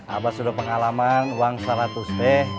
abah sudah pengalaman uang seratus teh